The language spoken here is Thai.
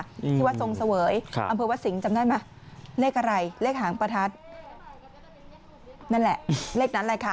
อืมที่วัดทรงเสวยครับอำเภอวัดสิงห์จำได้ไหมเลขอะไรเลขหางประทัดนั่นแหละเลขนั้นแหละค่ะ